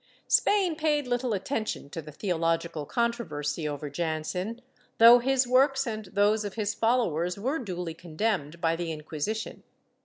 Spain paid little attention to the theological controversy over Jansen, though his works and those of his followers were duly condemned by the Inquisition.